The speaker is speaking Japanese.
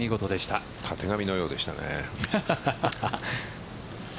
たてがみのようでしたね。